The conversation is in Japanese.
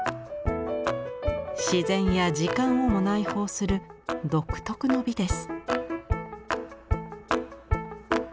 自然や時間をも内包する独特の美です。